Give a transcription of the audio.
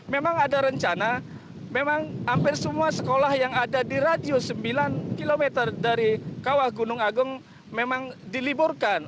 memang ada rencana memang hampir semua sekolah yang ada di radius sembilan km dari kawah gunung agung memang diliburkan